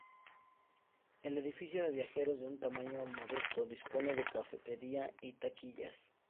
El edificio de viajeros, de un tamaño modesto, dispone de cafetería y taquillas.